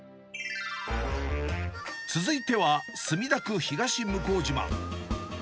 続いては、墨田区東向島。